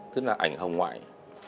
tức là ảnh hồng ngoại